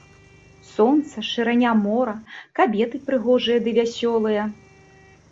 Сонца, шырыня мора, кабеты прыгожыя ды вясёлыя.